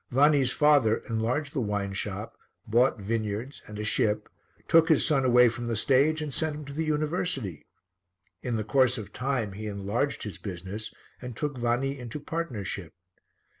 Vanni's father enlarged the wine shop, bought vineyards and a ship, took his son away from the stage and sent him to the University. In course of time he enlarged his business and took Vanni into partnership.